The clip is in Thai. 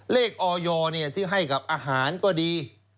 ออยที่ให้กับอาหารก็ดี